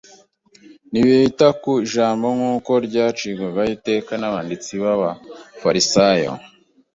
Ntibita ku Ijambo nk’uko ryaciragaho iteka Abanditsi n’Abafarisayo